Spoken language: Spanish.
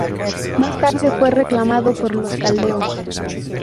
Más tarde fue reclamado por los caldeos.